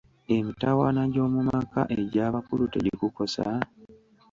Emitawaana gy'omu maka egy'abakulu tegikukosa?